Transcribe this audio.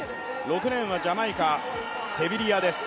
６レーンはジャマイカセビリアです。